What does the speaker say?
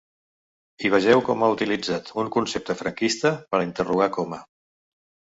I vegeu com ha utilitzat un concepte franquista per a interrogar Coma.